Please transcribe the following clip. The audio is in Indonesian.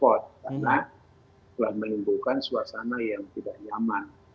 karena telah menimbulkan suasana yang tidak nyaman